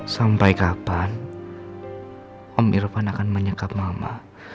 sampai kapan om irfan akan menyekap mama